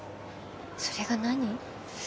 それが何？